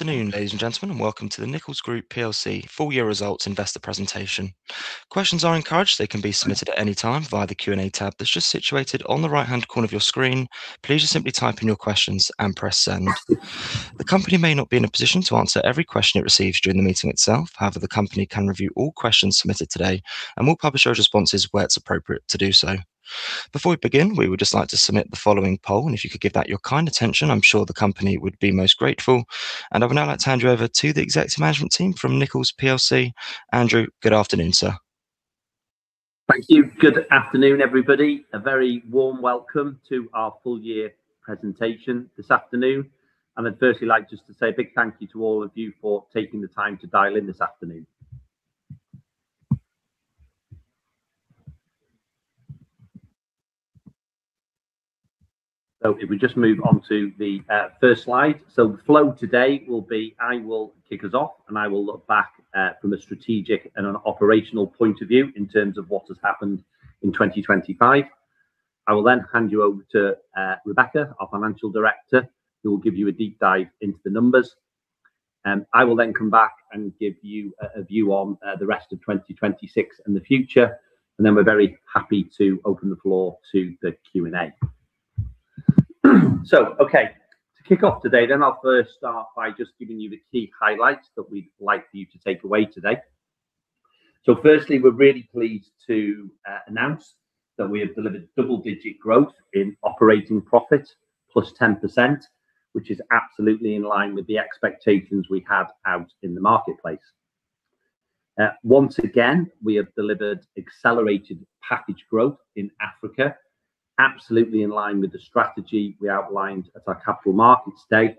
Good afternoon, ladies and gentlemen, and welcome to the Nichols PLC Full-Year Results Investor presentation. Questions are encouraged. They can be submitted at any time via the Q&A tab that's just situated on the right-hand corner of your screen. Please just simply type in your questions and press send. The company may not be in a position to answer every question it receives during the meeting itself. However, the company can review all questions submitted today and will publish our responses where it's appropriate to do so. Before we begin, we would just like to submit the following poll, and if you could give that your kind attention, I'm sure the company would be most grateful. I would now like to hand you over to the executive management team from Nichols plc. Andrew, good afternoon, sir. Thank you. Good afternoon, everybody. A very warm welcome to our full-year presentation this afternoon. I'd firstly like just to say a big thank you to all of you for taking the time to dial in this afternoon. If we just move on to the first slide. The flow today will be, I will kick us off, and I will look back from a strategic and an operational point of view in terms of what has happened in 2025. I will then hand you over to Rebecca, our Financial Director, who will give you a deep dive into the numbers. I will then come back and give you a view on the rest of 2026 and the future. We're very happy to open the floor to the Q&A. Okay. To kick off today, then I'll first start by just giving you the key highlights that we'd like for you to take away today. Firstly, we're really pleased to announce that we have delivered double-digit growth in operating profit, +10%, which is absolutely in line with the expectations we had out in the marketplace. Once again, we have delivered accelerated package growth in Africa, absolutely in line with the strategy we outlined at our Capital Markets Day.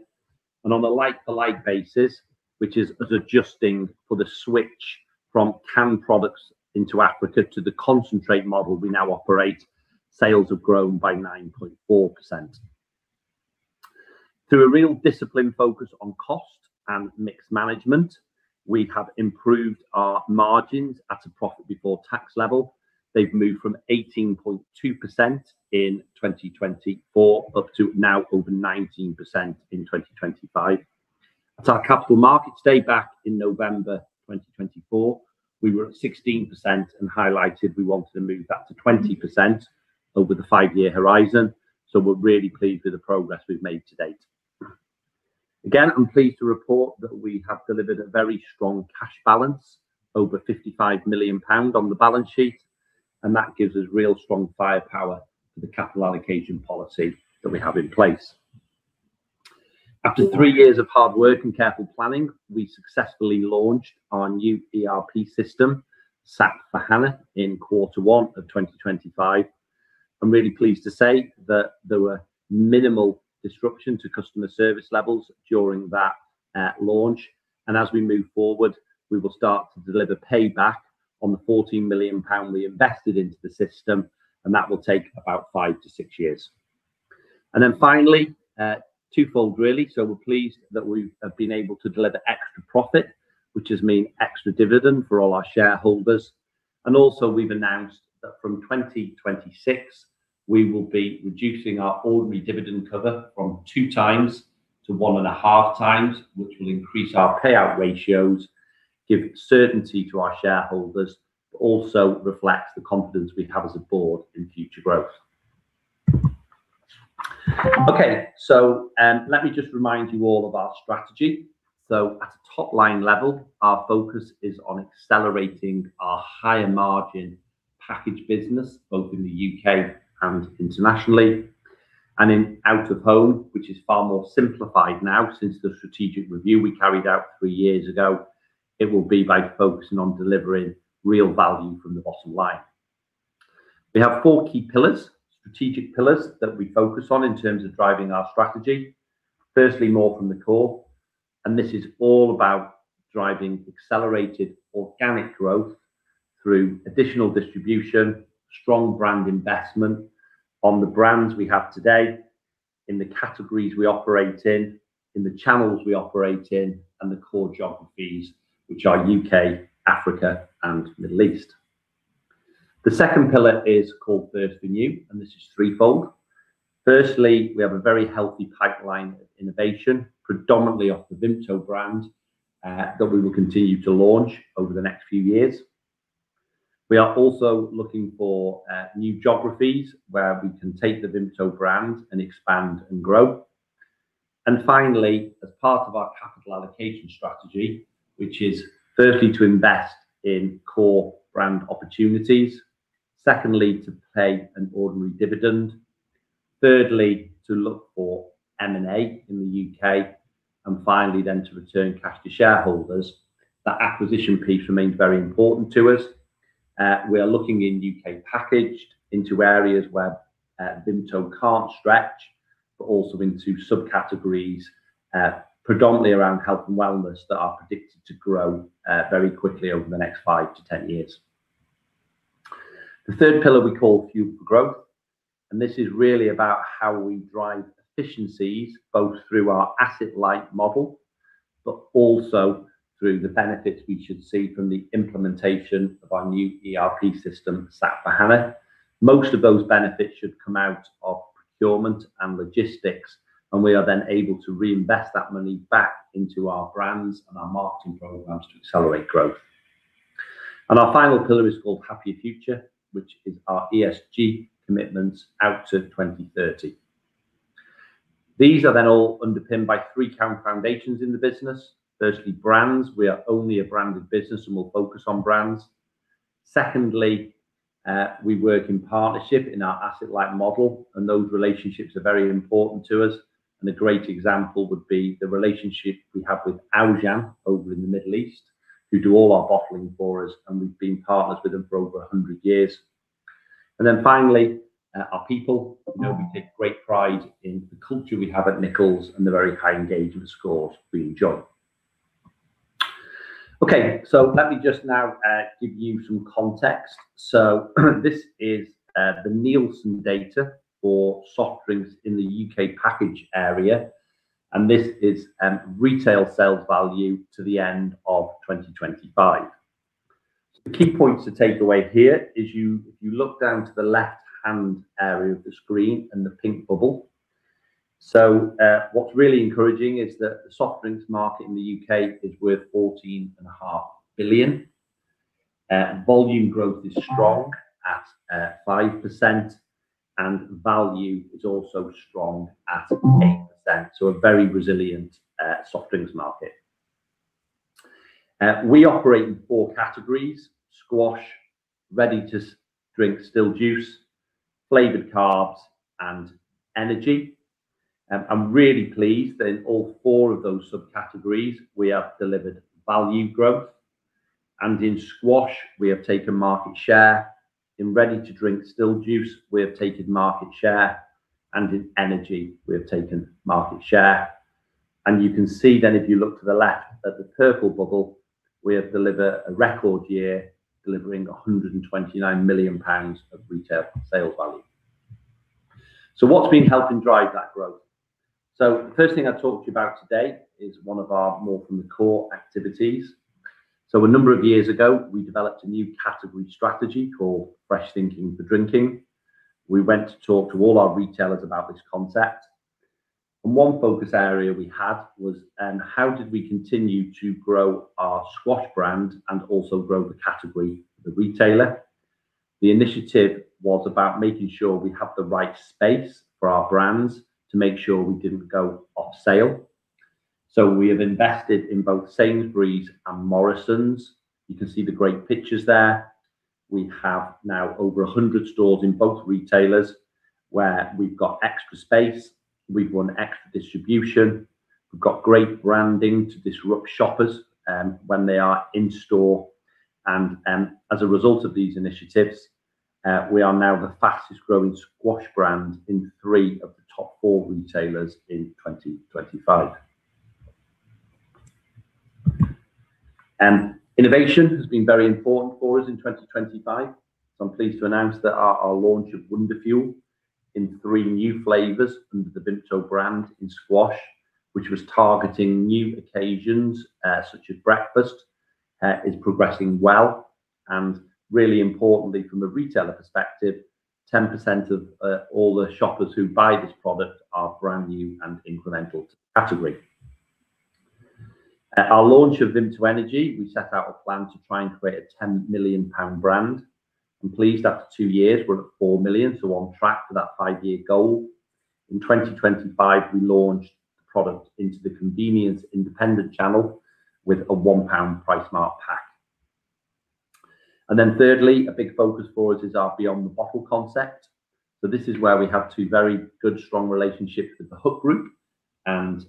On a like-for-like basis, which is us adjusting for the switch from canned products into Africa to the concentrate model we now operate, sales have grown by 9.4%. Through a real disciplined focus on cost and mix management, we have improved our margins at a profit before tax level. They've moved from 18.2% in 2024 up to now over 19% in 2025. At our Capital Markets Day back in November 2024, we were at 16% and highlighted we wanted to move that to 20% over the five-year horizon. We're really pleased with the progress we've made to date. Again, I'm pleased to report that we have delivered a very strong cash balance, over 55 million pound on the balance sheet, and that gives us real strong firepower for the capital allocation policy that we have in place. After three years of hard work and careful planning, we successfully launched our new ERP system, SAP S/4HANA, in quarter one of 2025. I'm really pleased to say that there were minimal disruption to customer service levels during that launch. As we move forward, we will start to deliver payback on the 14 million pound we invested into the system, and that will take about five to six years. Then finally, twofold really. We're pleased that we have been able to deliver extra profit, which has meant extra dividend for all our shareholders. Also, we've announced that from 2026, we will be reducing our ordinary dividend cover from 2x to 1.5x, which will increase our payout ratios, give certainty to our shareholders, but also reflects the confidence we have as a board in future growth. Okay. Let me just remind you all of our strategy. At a top-line level, our focus is on accelerating our higher margin packaged business, both in the U.K. and internationally. In out of home, which is far more simplified now since the strategic review we carried out three years ago, it will be by focusing on delivering real value from the bottomline. We have four key pillars, strategic pillars, that we focus on in terms of driving our strategy. Firstly, more from the core, and this is all about driving accelerated organic growth through additional distribution, strong brand investment on the brands we have today, in the categories we operate in, in the channels we operate in, and the core geographies, which are U.K., Africa, and Middle East. The second pillar is called thirst for new and this is threefold. Firstly, we have a very healthy pipeline of innovation predominantly off the Vimto brand that we will continue to launch over the next few years. We are also looking for new geographies where we can take the Vimto brand and expand and grow. Finally, as part of our capital allocation strategy, which is firstly to invest in core brand opportunities, secondly, to pay an ordinary dividend, thirdly, to look for M&A in the U.K., and finally then to return cash to shareholders. That acquisition piece remains very important to us. We are looking in U.K. packaged goods areas where Vimto can't stretch, but also into subcategories predominantly around health and wellness that are predicted to grow very quickly over the next five to 10 years. The third pillar we call fuel for growth, and this is really about how we drive efficiencies both through our asset-light model, but also through the benefits we should see from the implementation of our new ERP system, SAP S/4HANA. Most of those benefits should come out of procurement and logistics and we are then able to reinvest that money back into our brands and our marketing programs to accelerate growth. Our final pillar is called Happier Future, which is our ESG commitments out to 2030. These are then all underpinned by three foundations in the business. Firstly, brands. We are only a branded business, and we'll focus on brands. Secondly, we work in partnership in our asset light model, and those relationships are very important to us, and a great example would be the relationship we have with Al Jamal over in the Middle East, who do all our bottling for us, and we've been partners with them for over 100 years. Finally, our people know we take great pride in the culture we have at Nichols and the very high engagement scores we enjoy. Okay, let me just now give you some context. This is the Nielsen data for soft drinks in the U.K. packaged area, and this is retail sales value to the end of 2025. The key points to take away here is if you look down to the left hand area of the screen and the pink bubble. What's really encouraging is that the soft drinks market in the U.K. is worth 14.5 billion. Volume growth is strong at 5% and value is also strong at 8% so a very resilient soft drinks market. We operate in four categories: Squash, ready to drink still juice, flavored carbs, and energy. I'm really pleased that in all four of those subcategories, we have delivered value growth. In Squash, we have taken market share. In ready-to-drink still juice, we have taken market share. In energy, we have taken market share. You can see then if you look to the left at the purple bubble, we have delivered a record year, delivering 129 million pounds of retail sales value. What's been helping drive that growth? The first thing I talked about today is one of our more from the core activities. A number of years ago, we developed a new category strategy called Fresh Thinking for Drinking. We went to talk to all our retailers about this concept, and one focus area we had was how did we continue to grow our squash brand, and also grow the category for the retailer. The initiative was about making sure we have the right space for our brands to make sure we didn't go off sale. We have invested in both Sainsbury's and Morrisons. You can see the great pictures there. We have now over 100 stores in both retailers where we've got extra space. We've won extra distribution. We've got great branding to disrupt shoppers when they are in store. As a result of these initiatives, we are now the fastest growing squash brand in three of the top four retailers in 2025. Innovation has been very important for us in 2025. I'm pleased to announce that our launch of Wonderfuel in three new flavors under the Vimto brand in squash, which was targeting new agents, such as breakfast, is progressing well, and really importantly, from a retailer perspective, 10% of all the shoppers who buy this product are brand new and incremental to category. At our launch of Vimto Energy, we set out a plan to try and create a 10 million pound brand. I'm pleased after two years we're at 4 million so on track for that five-year goal. In 2025, we launched the product into the convenience independent channel with a 1 pound price mark pack. Thirdly, a big focus for us is our Beyond the Bottle concept. This is where we have two very good, strong relationships with the Hook Group and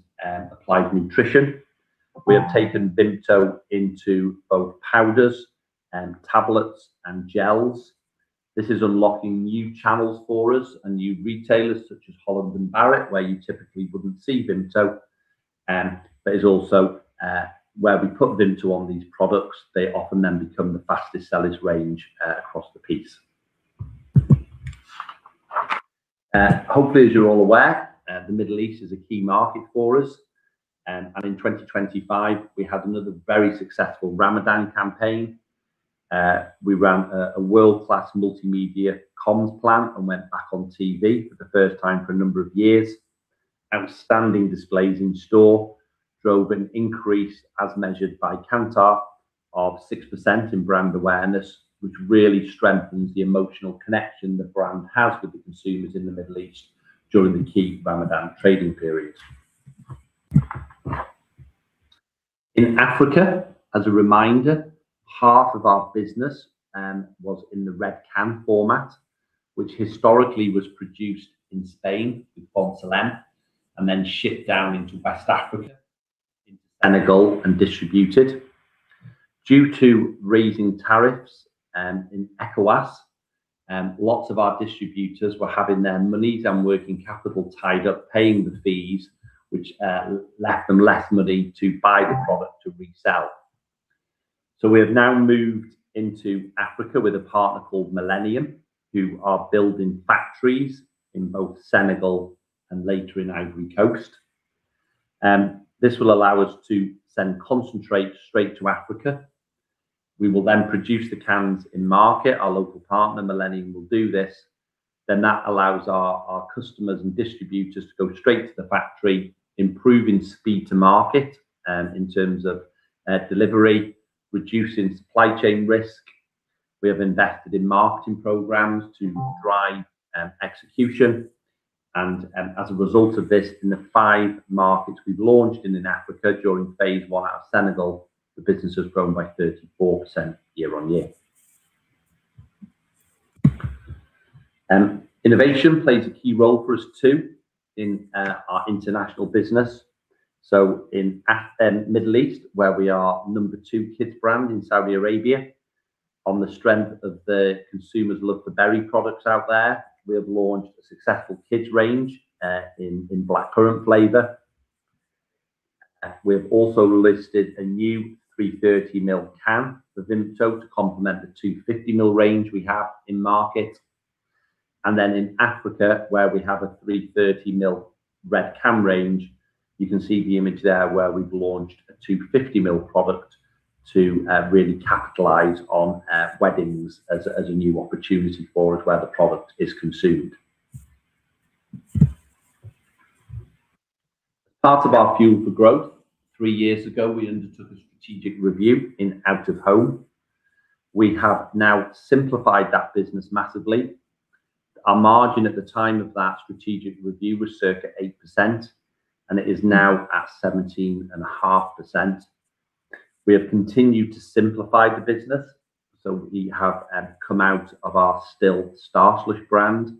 Applied Nutrition. We have taken Vimto into both powders and tablets and gels. This is unlocking new channels for us and new retailers such as Holland & Barrett, where you typically wouldn't see Vimto. That is also where we put Vimto on these products, they often then become the fastest-selling range across the piece. Hopefully, as you're all aware, the Middle East is a key market for us. In 2025 we had another very successful Ramadan campaign. We ran a world-class multimedia comms plan and went back on TV for the first time for a number of years. Outstanding displays in store, drove an increase as measured by Kantar of 6% in brand awareness, which really strengthens the emotional connection the brand has with the consumers in the Middle East during the key Ramadan trading period. In Africa, as a reminder, half of our business was in the red can format, which historically was produced in Spain with Font Salem and then shipped down into West Africa, into Senegal and distributed. Due to raising tariffs in ECOWAS, lots of our distributors were having their money and working capital tied up, paying the fees, which left them less money to buy the product to resell. We have now moved into Africa with a partner called Millennium, who are building factories in both Senegal and later in Ivory Coast. This will allow us to send concentrate straight to Africa. We will then produce the cans in market. Our local partner, Millennium, will do this. That allows our customers and distributors to go straight to the factory, improving speed to market in terms of delivery reducing supply chain risk. We have invested in marketing programs to drive execution and as a result of this, in the five markets we've launched in Africa during phase I out of Senegal, the business has grown by 34% year-on-year. Innovation plays a key role for us too in our international business. In the Middle East, where we are number two kids brand in Saudi Arabia on the strength of the consumers' love for berry products out there, we have launched a successful kids range in blackcurrant flavor. We have also listed a new 330 ml can for Vimto to complement the 250 ml range we have in market. In Africa, where we have a 330 ml red can range, you can see the image there where we've launched a 250 ml product to really capitalize on weddings as a new opportunity for us where the product is consumed. Part of our fuel for growth, three years ago we undertook a strategic review in out-of-home. We have now simplified that business massively. Our margin at the time of that strategic review was circa 8% and it is now at 17.5%. We have continued to simplify the business so we have come out of our Starslush brand.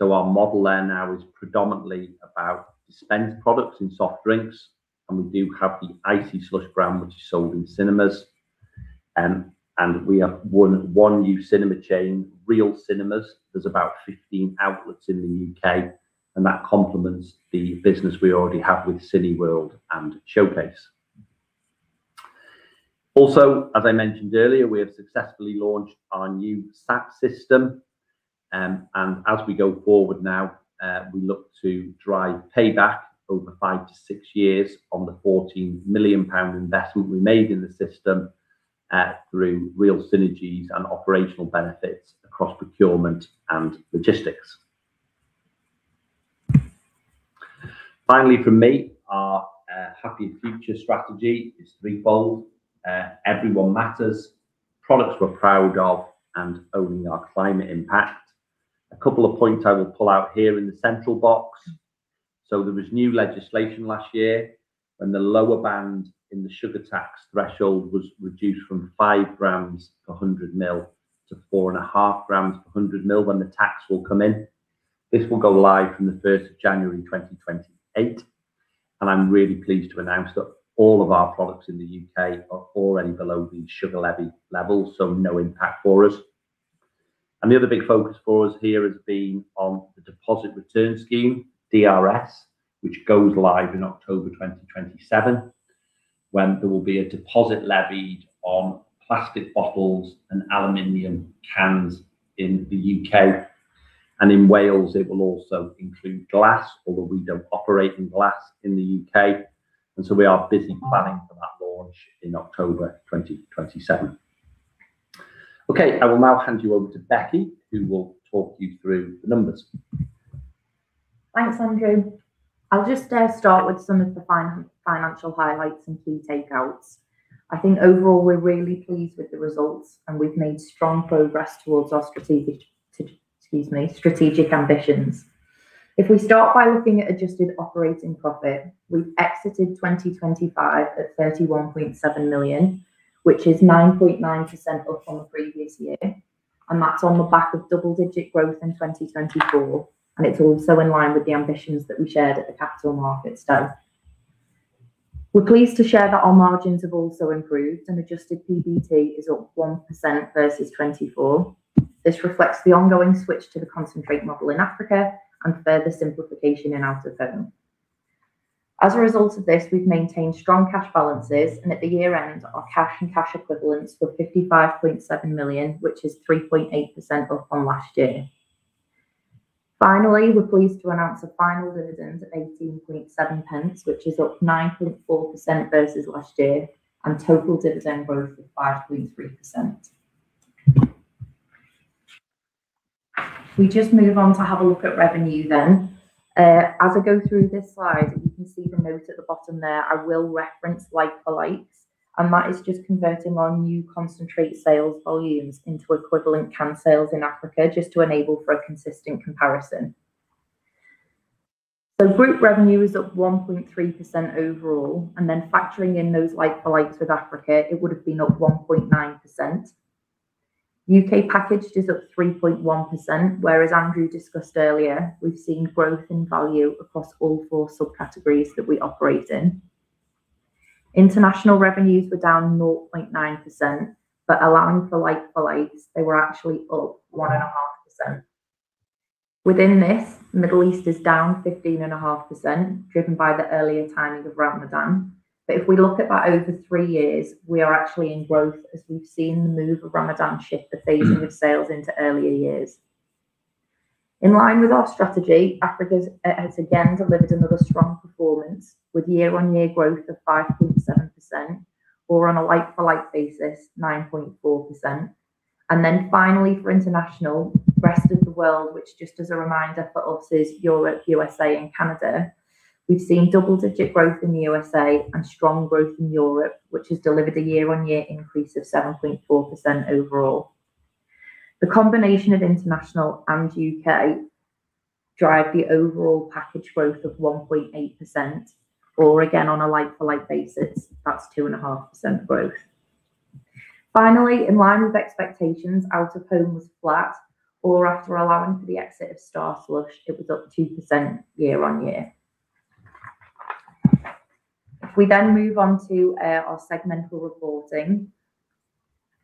Our model there now is predominantly about dispensed products and soft drinks, and we do have the ICEE Slush brand which is sold in cinemas. We have one new cinema chain, Reel Cinemas. There's about 15 outlets in the U.K., and that complements the business we already have with Cineworld and Showcase. Also, as I mentioned earlier, we have successfully launched our new SAP system, and as we go forward now, we look to drive payback over five to six years on the 14 million pound investment we made in the system, through real synergies and operational benefits across procurement and logistics. Finally from me, our Happier Future strategy is threefold, everyone matters, products we're proud of, and owning our climate impact. A couple of points I will pull out here in the central box. There was new legislation last year and the lower band in the sugar tax threshold was reduced from 5 grams per 100 ml to 4.5 grams per 100 ml when the tax will come in. This will go live from the 1st of January, 2028, and I'm really pleased to announce that all of our products in the U.K. are already below the sugar levy levels, so no impact for us. The other big focus for us here has been on the Deposit Return Scheme (DRS), which goes live in October, 2027, when there will be a deposit levied on plastic bottles and aluminum cans in the U.K. In Wales, it will also include glass, although we don't operate in glass in the U.K. We are busy planning for that launch in October, 2027. Okay, I will now hand you over to Becky, who will talk you through the numbers. Thanks, Andrew. I'll just start with some of the financial highlights and key takeaways. I think overall we're really pleased with the results and we've made strong progress towards our strategic ambitions. If we start by looking at adjusted operating profit, we've exited 2025 at 31.7 million, which is 9.9% up from the previous year, and that's on the back of double-digit growth in 2024. It's also in line with the ambitions that we shared at the Capital Markets Day. We're pleased to share that our margins have also improved and adjusted PBT is up 1% versus 2024. This reflects the ongoing switch to the concentrate model in Africa and further simplification in out of home. As a result of this, we've maintained strong cash balances, and at the year-end, our cash and cash equivalents were 55.7 million, which is 3.8% up from last year. Finally, we're pleased to announce a final dividend of 0.187, which is up 9.4% versus last year, and total dividend growth of 5.3%. If we just move on to have a look at revenue then. As I go through this slide, you can see the note at the bottom there. I will reference like for likes, and that is just converting our new concentrate sales volumes into equivalent can sales in Africa just to enable for a consistent comparison. Group revenue is up 1.3% overall and then factoring in those like for likes with Africa, it would have been up 1.9%. U.K. packaged is up 3.1%, where, as Andrew discussed earlier, we've seen growth in value across all four subcategories that we operate in. International revenues were down 0.9% but allowing for like-for-likes, they were actually up 1.5%. Within this, Middle East is down 15.5%, driven by the earlier timing of Ramadan. If we look at that over three years, we are actually in growth as we've seen the move of Ramadan shift the phasing of sales into earlier years. In line with our strategy, Africa has again delivered another strong performance with year-on-year growth of 5.7% or on a like-for-like basis, 9.4%. Finally, for international, rest of the world, which just as a reminder for us is Europe, U.S.A. and Canada, we've seen double-digit growth in the U.S.A. and strong growth in Europe, which has delivered a year-on-year increase of 7.4% overall. The combination of international and U.K. drive the overall package growth of 1.8% or again, on a like-for-like basis, that's 2.5% growth. Finally, in line with expectations, out of home was flat or after allowing for the exit of Starslush, it was up 2% year-on-year. If we then move on to our segmental reporting.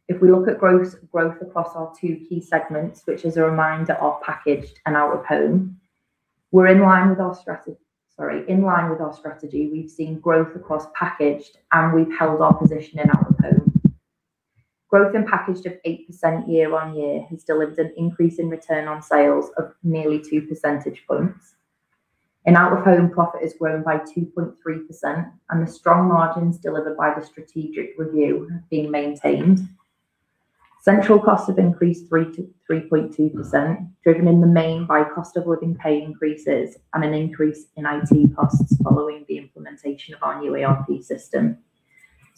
If we look at gross growth across our two key segments, which as a reminder are packaged and out of home, we're in line with our strategy. Sorry, in line with our strategy, we've seen growth across packaged, and we've held our position in out of home. Growth in packaged of 8% year-on-year has delivered an increase in return on sales of nearly two percentage points. In out of home, profit has grown by 2.3%, and the strong margins delivered by the strategic review have been maintained. Central costs have increased 3.2%, driven in the main by cost of living pay increases, and an increase in IT costs following the implementation of our new ERP system.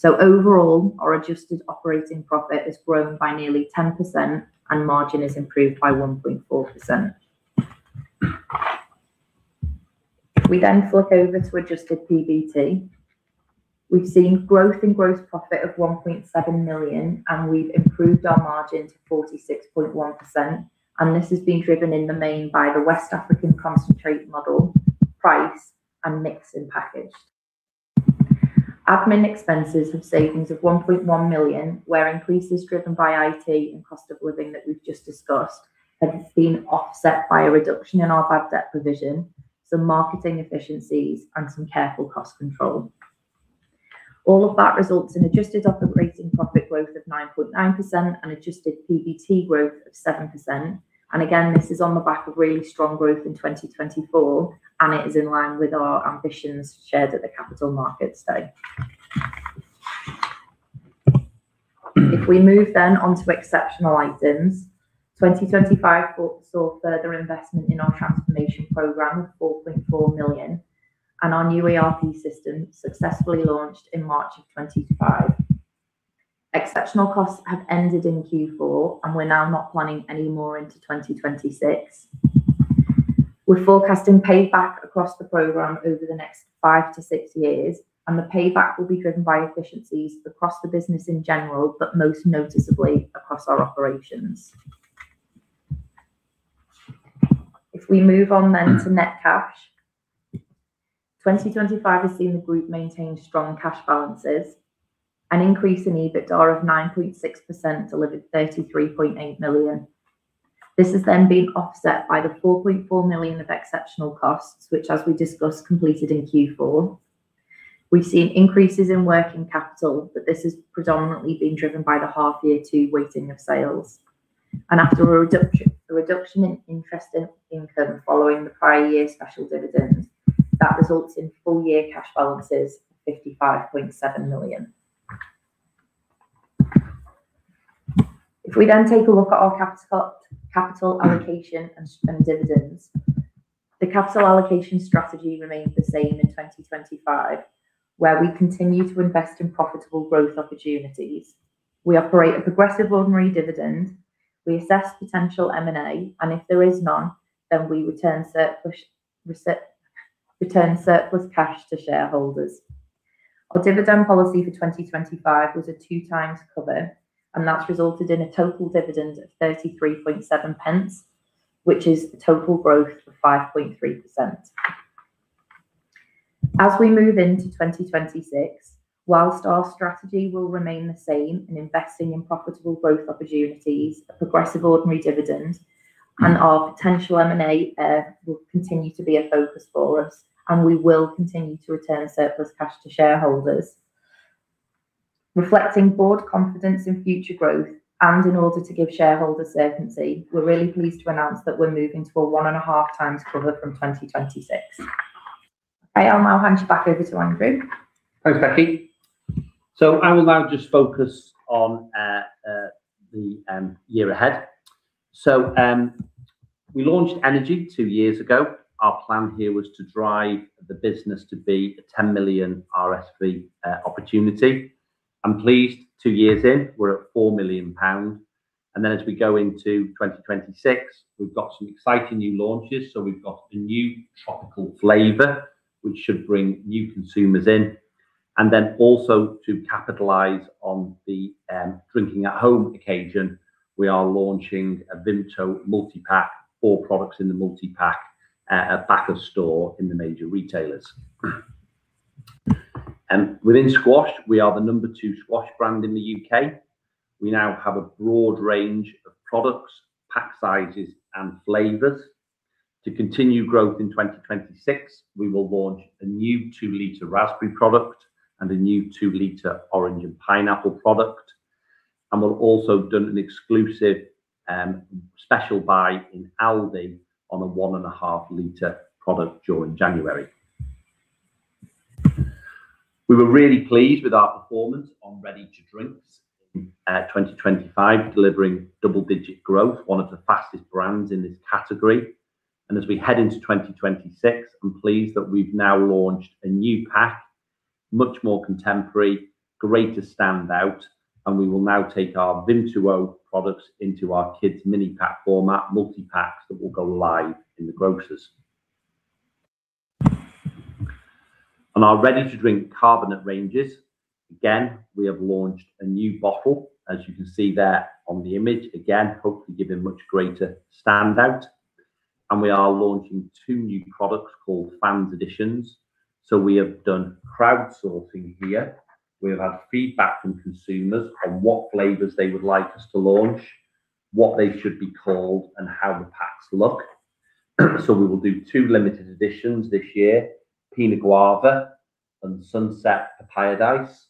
Overall, our adjusted operating profit has grown by nearly 10% and margin has improved by 1.4%. If we then flick over to adjusted PBT. We've seen growth in gross profit of 1.7 million, and we've improved our margin to 46.1%, and this has been driven in the main by the West African concentrate model, price, and mix in packaged. Admin expenses have savings of 1.1 million, where increases driven by IT and cost of living that we've just discussed, and has been offset by a reduction in our bad debt provision, some marketing efficiencies, and some careful cost control. All of that results in adjusted operating profit growth of 9.9% and adjusted PBT growth of 7%. Again, this is on the back of really strong growth in 2024, and it is in line with our ambitions shared at the Capital Markets Day. If we move then onto exceptional items, 2025 saw further investment in our transformation program of 4.4 million and our new ERP system successfully launched in March of 2025. Exceptional costs have ended in Q4 and we're now not planning any more into 2026. We're forecasting payback across the program over the next five to six years, and the payback will be driven by efficiencies across the business in general, but most noticeably across our operations. If we move on to net cash, 2025 has seen the group maintain strong cash balances, an increase in EBITDA of 9.6% delivered 33.8 million. This has been offset by the 4.4 million of exceptional costs, which as we discussed, completed in Q4. We've seen increases in working capital but this is predominantly been driven by the half year two weighting of sales. After a reduction in interest income following the prior year special dividend that results in full-year cash balances of GBP 55.7 million. If we then take a look at our capital allocation and spend dividends. The capital allocation strategy remained the same in 2025 where we continue to invest in profitable growth opportunities. We operate a progressive ordinary dividend, we assess potential M&A, and if there is none, then we return surplus cash to shareholders. Our dividend policy for 2025 was a 2x cover, and that's resulted in a total dividend of 33.7 pence, which is a total growth of 5.3%. As we move into 2026, while our strategy will remain the same in investing in profitable growth opportunities, a progressive ordinary dividend and our potential M&A will continue to be a focus for us, and we will continue to return surplus cash to shareholders. Reflecting board confidence in future growth and in order to give shareholders certainty, we're really pleased to announce that we're moving to a 1.5x cover from 2026. Okay, I'll now hand you back over to Andrew. Thanks, Becky. I will now just focus on the year ahead. We launched Energy two years ago. Our plan here was to drive the business to be a 10 million RSV opportunity. I'm pleased, two years in, we're at 4 million pounds. As we go into 2026, we've got some exciting new launches. We've got a new tropical flavor, which should bring new consumers in. Also to capitalize on the drinking at home occasion, we are launching a Vimto multi-pack, four products in the multi-pack at back of store in the major retailers. Within Squash, we are the number two squash brand in the U.K. We now have a broad range of products, pack sizes, and flavors. To continue growth in 2026, we will launch a new 2-liter raspberry product and a new 2-liter orange and pineapple product. We'll also do an exclusive special buy in Aldi on a 1.5-liter product during January. We were really pleased with our performance on ready-to-drink in 2025 delivering double-digit growth, one of the fastest brands in this category. As we head into 2026, I'm pleased that we've now launched a new pack, much more contemporary, greater standout, and we will now take our Vimto products into our kids mini pack format, multi-packs that will go live in the grocers. On our ready-to-drink carbonate ranges, again, we have launched a new bottle as you can see there on the image. Again, hopefully giving much greater standout, and we are launching two new products called Fans Editions. We have done crowdsourcing here. We have had feedback from consumers on what flavors they would like us to launch, what they should be called, and how the packs look. We will do two limited editions this year, Piña Guava and Sunset Papaya Ice,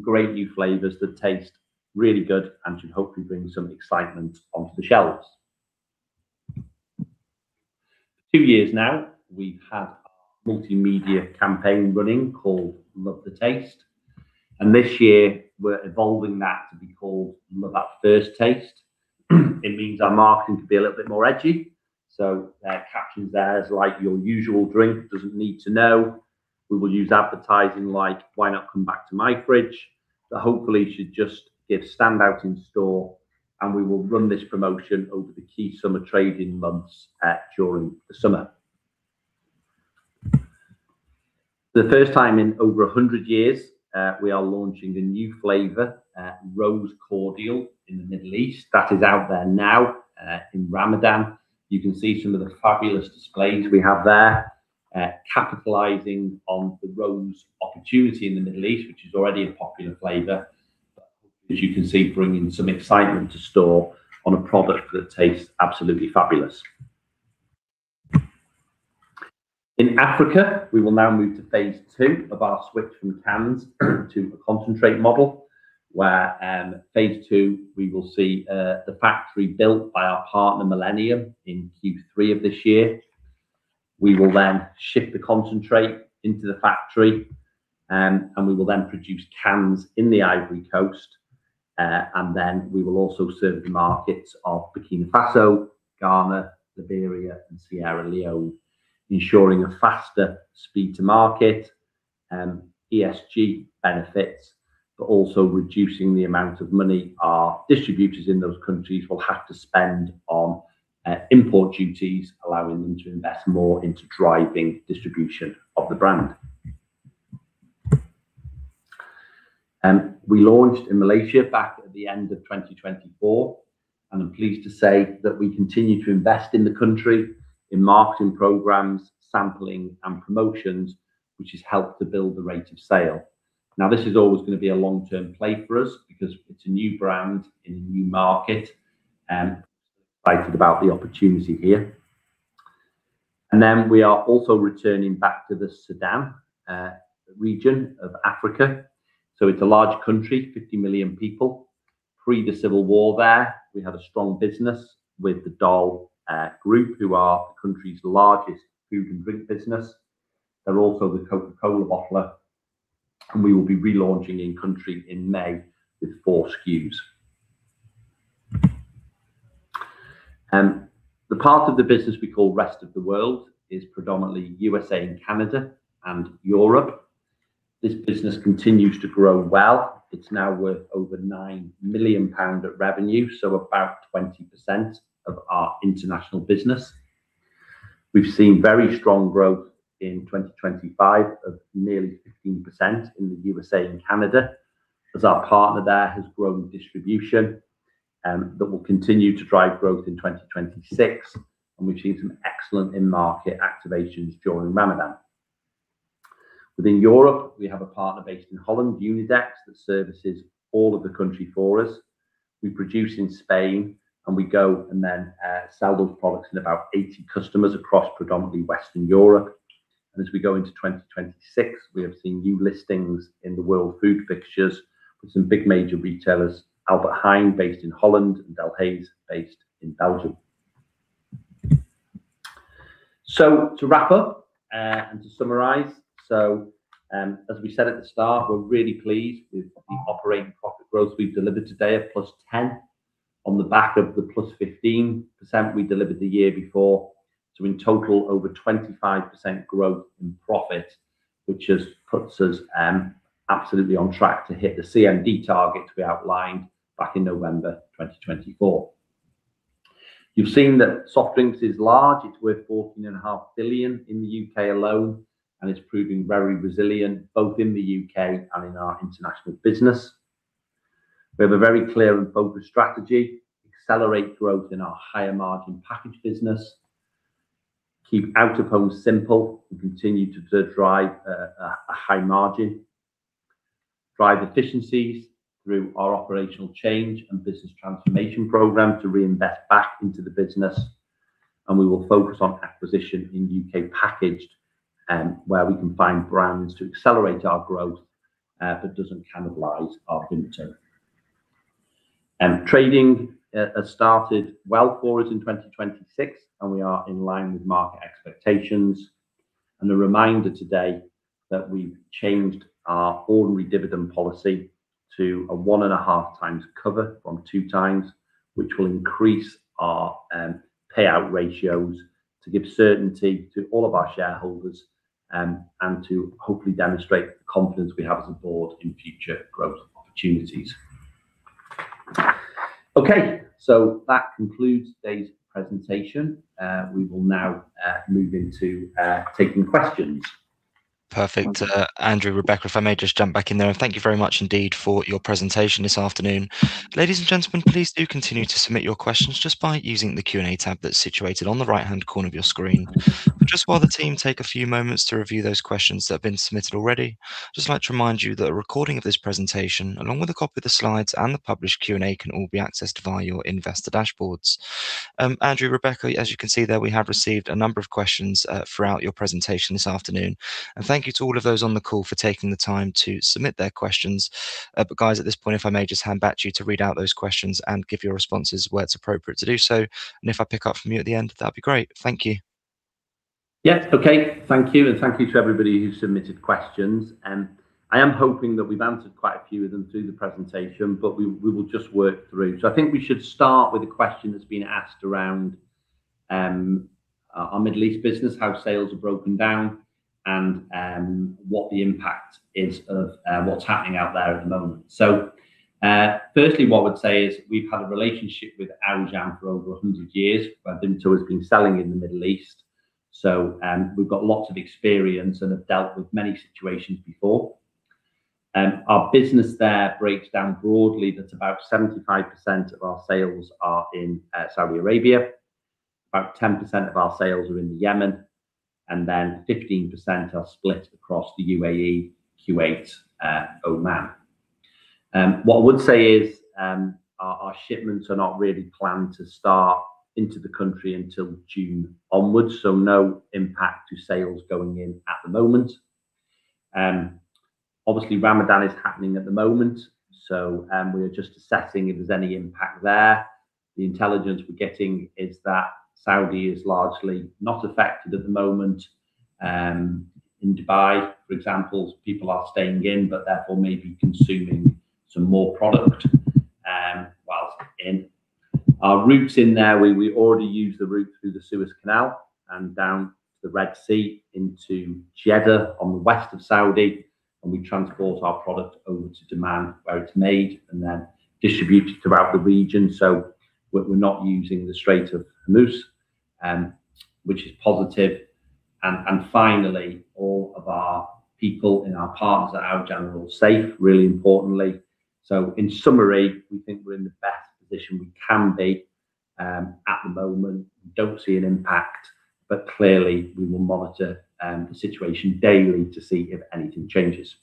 great new flavors that taste really good, and should hopefully bring some excitement onto the shelves. For two years now, we've had our multimedia campaign running called Love the Taste and this year we're evolving that to be called Love at First Taste. It means our marketing can be a little bit more edgy. There are captions there like, "Your usual drink doesn't need to know." We will use advertising like, "Why not come back to my fridge?" That hopefully should just give stand out in store, and we will run this promotion over the key summer trading months, during the summer. For the first time in over a hundred years, we are launching a new flavor, Rose Cordial in the Middle East. That is out there now, in Ramadan. You can see some of the fabulous displays we have there, capitalizing on the Rose opportunity in the Middle East, which is already a popular flavor, as you can see, bringing some excitement to store on a product that tastes absolutely fabulous. In Africa, we will now move to phase II of our switch from cans to a concentrate model, where phase II, we will see the factory built by our partner, Millennium, in Q3 of this year. We will then ship the concentrate into the factory, and we will then produce cans in the Ivory Coast. Then, we will also serve the markets of Burkina Faso, Ghana, Liberia, and Sierra Leone, ensuring a faster speed to market, ESG benefits, but also reducing the amount of money our distributors in those countries will have to spend on import duties allowing them to invest more into driving distribution of the brand. We launched in Malaysia back at the end of 2024 and I'm pleased to say that we continue to invest in the country in marketing programs, sampling, and promotions, which has helped to build the rate of sale. Now, this is always going to be a long-term play for us because it's a new brand in a new market, and excited about the opportunity here. We are also returning back to the Sudan region of Africa. It's a large country, 50 million people. Pre the civil war there, we had a strong business with the DAL Group, who are the country's largest food and drink business. They're also the Coca-Cola bottler and we will be relaunching in country in May with 4 SKUs. The part of the business we call Rest of the World is predominantly U.S.A. and Canada and Europe. This business continues to grow well. It's now worth over 9 million pounds of revenue, so about 20% of our international business. We've seen very strong growth in 2025 of nearly 15% in the U.S.A. and Canada, as our partner there has grown distribution, that will continue to drive growth in 2026, and we've seen some excellent in-market activations during Ramadan. Within Europe, we have a partner based in Holland, Unidex, that services all of the country for us. We produce in Spain and we go and then sell those products in about 80 customers across predominantly Western Europe. As we go into 2026, we have seen new listings in the world food fixtures with some big major retailers, Albert Heijn based in Holland and Delhaize based in Belgium. To wrap up and to summarize, as we said at the start, we're really pleased with the operating profit growth we've delivered today of +10% on the back of the +15% we delivered the year before. In total, over 25% growth in profit, which just puts us absolutely on track to hit the CMD target we outlined back in November, 2024. You've seen that soft drinks is large. It's worth 14.5 billion in the U.K. alone, and it's proving very resilient both in the U.K. and in our international business. We have a very clear and focused strategy, accelerate growth in our higher margin packaged business, keep out of home simple, and continue to drive a high margin. Drive efficiencies through our operational change and business transformation program to reinvest back into the business and we will focus on acquisition in U.K. packaged where we can find brands to accelerate our growth that doesn't cannibalize our Vimto. Trading has started well for us in 2026. We are in line with market expectations, and a reminder today that we've changed our ordinary dividend policy to a 1.5x cover from 2x, which will increase our payout ratios to give certainty to all of our shareholders, and to hopefully demonstrate the confidence we have as a board in future growth opportunities. Okay. That concludes today's presentation. We will now move into taking questions. Perfect. Andrew, Rebecca, if I may just jump back in there. Thank you very much indeed for your presentation this afternoon. Ladies and gentlemen, please do continue to submit your questions just by using the Q&A tab that's situated on the right-hand corner of your screen. Just while the team take a few moments to review those questions that have been submitted already, I would just like to remind you that a recording of this presentation, along with a copy of the slides and the published Q&A, can all be accessed via your investor dashboards. Andrew, Rebecca, as you can see there, we have received a number of questions throughout your presentation this afternoon. Thank you to all of those on the call for taking the time to submit their questions. Guys, at this point, if I may just hand back to you to read out those questions and give your responses where it's appropriate to do so, and if I pick up from you at the end, that'd be great. Thank you. Yeah. Okay. Thank you and thank you to everybody who submitted questions. I am hoping that we've answered quite a few of them through the presentation, but we will just work through. I think we should start with a question that's been asked around our Middle East business, how sales are broken down and what the impact is of what's happening out there at the moment. Firstly, what I would say is we've had a relationship with Al Jamal for over 100 years. Vimto has been selling in the Middle East so we've got lots of experience and have dealt with many situations before. Our business there breaks down broadly, that's about 75% of our sales are in Saudi Arabia. About 10% of our sales are in Yemen and then 15% are split across the UAE, Kuwait, Oman. What I would say is, our shipments are not really planned to start into the country until June onwards, so no impact to sales going in at the moment. Obviously Ramadan is happening at the moment so we are just assessing if there's any impact there. The intelligence we're getting is that Saudi is largely not affected at the moment. In Dubai, for example, people are staying in, but therefore may be consuming some more product, whilst in. Our routes in there, we already use the route through the Suez Canal and down to the Red Sea into Jeddah on the west of Saudi, and we transport our product over to Dammam where it's made and then distributed throughout the region. We're not using the Strait of Hormuz, which is positive. Finally, all of our people and our partners at Al Jamal are all safe, really importantly. In summary, we think we're in the best position we can be at the moment, and don't see an impact, but clearly we will monitor the situation daily to see if anything changes.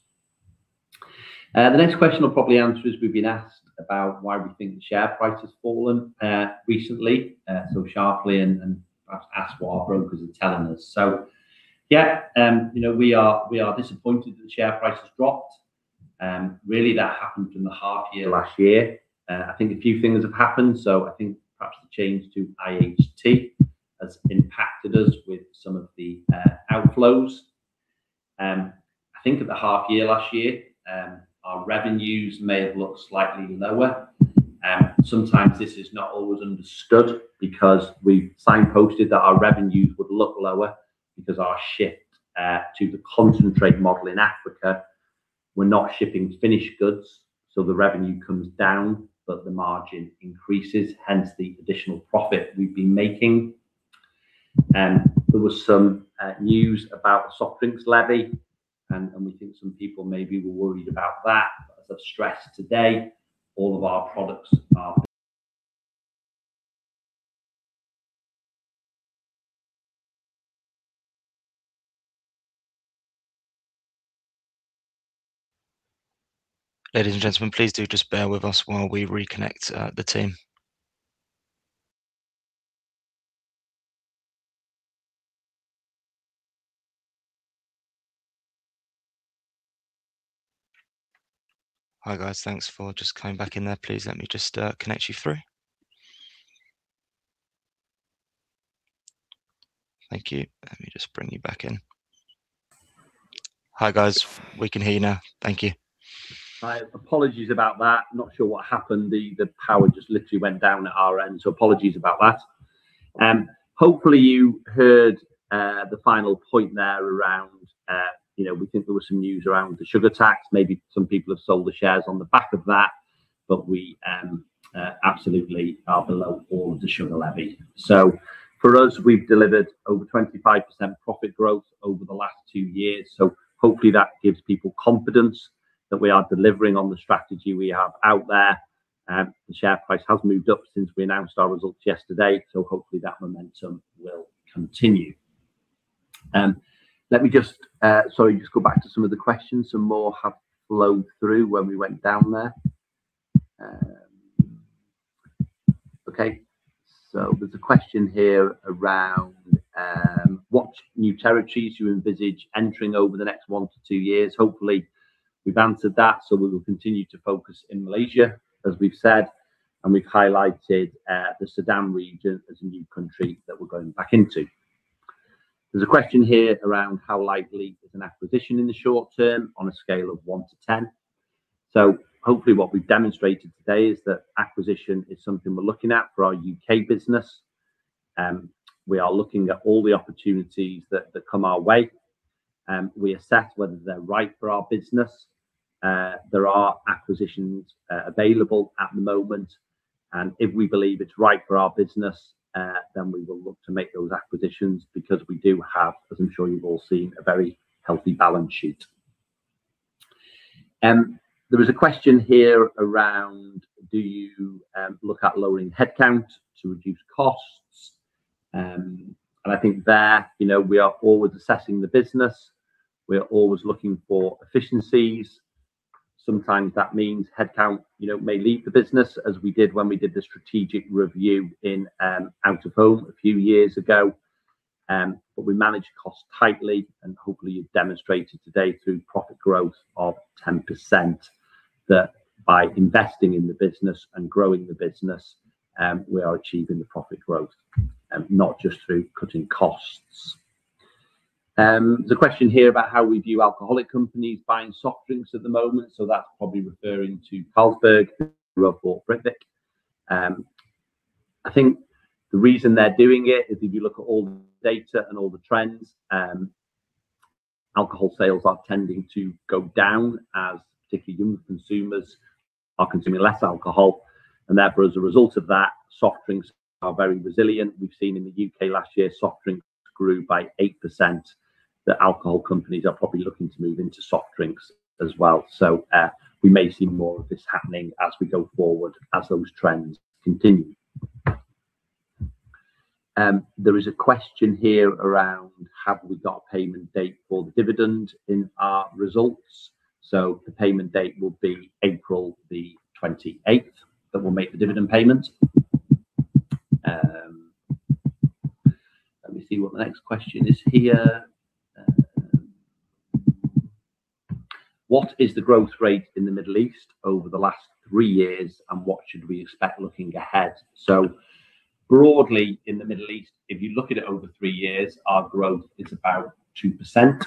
The next question I'll probably answer is we've been asked about why we think the share price has fallen recently, so sharply, and perhaps ask what our brokers are telling us. Yeah. We are disappointed that the share price has dropped. Really that happened in the half year last year. I think a few things have happened. I think perhaps the change to IHT has impacted us with some of the outflows. I think at the half year last year, our revenues may have looked slightly lower. Sometimes this is not always understood because we signposted that our revenues would look lower because our shift to the concentrate model in Africa, we're not shipping finished goods, so the revenue comes down, but the margin increases hence the additional profit we've been making. There was some news about the soft drinks levy and we think some people maybe were worried about that. As I've stressed today, all of our products are. Ladies and gentlemen, please do just bear with us while we reconnect the team. Hi, guys. Thanks for just coming back in there. Please let me just connect you through. Thank you. Let me just bring you back in. Hi, guys. We can hear you now. Thank you. Right. Apologies about that. Not sure what happened. The power just literally went down at our end, so apologies about that. Hopefully, you heard the final point there around, you know, we think there was some news around the sugar tax. Maybe some people have sold the shares on the back of that but we absolutely are below all of the sugar levy. For us, we've delivered over 25% profit growth over the last two years. Hopefully that gives people confidence that we are delivering on the strategy we have out there. The share price has moved up since we announced our results yesterday so hopefully that momentum will continue. Let me just, sorry, just go back to some of the questions and more have flowed through when we went down there. Okay. There's a question here around what new territories you envisage entering over the next one to two years. Hopefully, we've answered that. We will continue to focus in Malaysia, as we've said, and we've highlighted the Sudan region as a new country that we're going back into. There's a question here around how likely is an acquisition in the short term on a scale of one to 10. Hopefully what we've demonstrated today is that acquisition is something we're looking at for our U.K. business. We are looking at all the opportunities that come our way. We assess whether they're right for our business. There are acquisitions available at the moment and if we believe it's right for our business, then we will look to make those acquisitions because we do have, as I'm sure you've all seen, a very healthy balance sheet. There is a question here around do you look at lowering headcount to reduce costs. I think there, you know, we are always assessing the business. We're always looking for efficiencies. Sometimes that means headcount, you know, may leave the business as we did when we did the strategic review in out of home a few years ago where we manage costs tightly and hopefully have demonstrated today through profit growth of 10%, that by investing in the business and growing the business, we are achieving the profit growth, and not just through cutting costs. There's a question here about how we view alcoholic companies buying soft drinks at the moment. That's probably referring to Carlsberg or Britvic. I think the reason they're doing it is if you look at all the data and all the trends, alcohol sales are tending to go down as particularly young consumers are consuming less alcohol. And therefore, as a result of that, soft drinks are very resilient. We've seen in the U.K. last year, soft drinks grew by 8%, that alcohol companies are probably looking to move into soft drinks as well. We may see more of this happening as we go forward as those trends continue. There is a question here around have we got a payment date for the dividend in our results. The payment date will be April 28th that we'll make the dividend payment. Let me see what the next question is here. What is the growth rate in the Middle East over the last three years and what should we expect looking ahead? Broadly in the Middle East, if you look at it over three years, our growth is about 2%.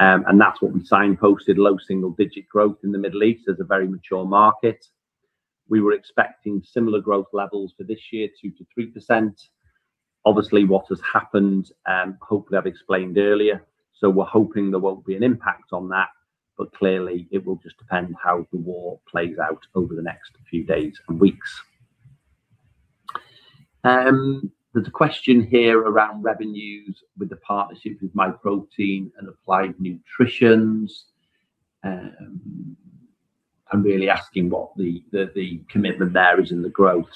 That's what we signposted low single digit growth in the Middle East as a very mature market. We were expecting similar growth levels for this year, 2% to 3%. Obviously, what has happened, hopefully I've explained earlier, so we're hoping there won't be an impact on that. Clearly it will just depend how the war plays out over the next few days and weeks. There's a question here around revenues with the partnership with Myprotein and Applied Nutrition and really asking what the commitment there is in the growth.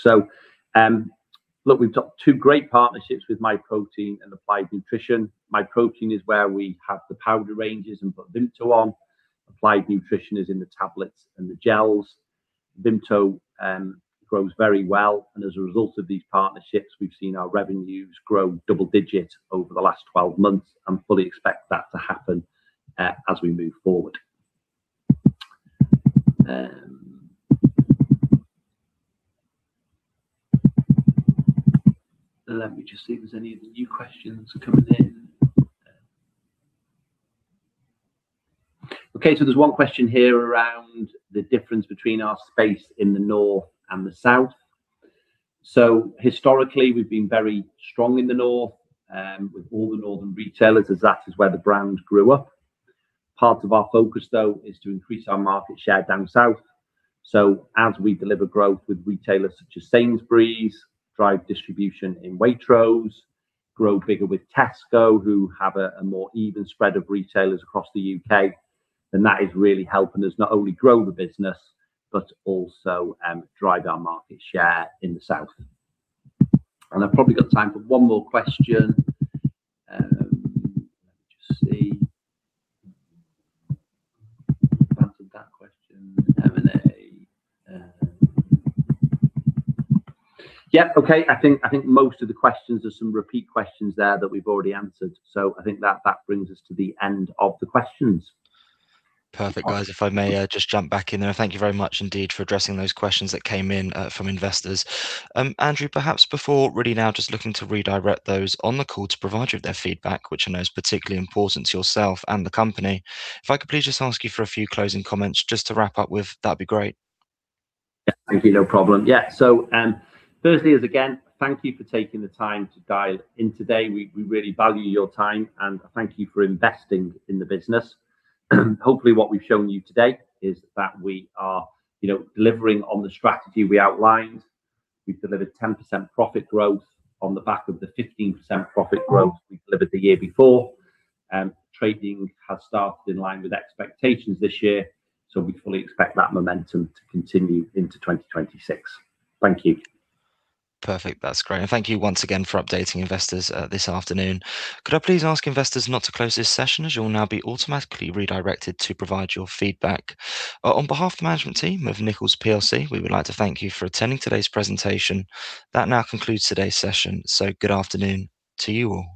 Look, we've got two great partnerships with Myprotein and Applied Nutrition. Myprotein is where we have the powder ranges and put Vimto on. Applied Nutrition is in the tablets and the gels. Vimto grows very well and as a result of these partnerships, we've seen our revenues grow double-digit over the last 12 months and fully expect that to happen as we move forward. Let me just see if there's any of the new questions coming in. Okay. There's one question here around the difference between our space in the North and the South. Historically, we've been very strong in the North with all the northern retailers as that is where the brand grew up. Part of our focus though is to increase our market share down South. As we deliver growth with retailers such as Sainsbury's, drive distribution in Waitrose, grow bigger with Tesco, who have a more even spread of retailers across the U.K. That is really helping us not only grow the business, but also drive our market share in the South. I've probably got time for one more question. Let me just see. Answered that question, M&A. Yep. Okay. I think most of the questions are some repeat questions there that we've already answered. I think that brings us to the end of the questions. Perfect. Guys, if I may, just jump back in there. Thank you very much indeed for addressing those questions that came in from investors. Andrew, perhaps before really now just looking to redirect those on the call to provide you with their feedback, which I know is particularly important to yourself and the company. If I could please just ask you for a few closing comments just to wrap up with that'd be great. Yeah, thank you. No problem. Yeah. Firstly and again, thank you for taking the time to dial in today. We really value your time and thank you for investing in the business. Hopefully what we've shown you today is that we are, you know, delivering on the strategy we outlined. We've delivered 10% profit growth on the back of the 15% profit growth we delivered the year before. Trading has started in line with expectations this year so we fully expect that momentum to continue into 2026. Thank you. Perfect. That's great. Thank you once again for updating investors this afternoon. Could I please ask investors not to close this session as you'll now be automatically redirected to provide your feedback. On behalf of the management team of Nichols PLC, we would like to thank you for attending today's presentation. That now concludes today's session. Good afternoon to you all.